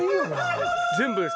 全部ですか？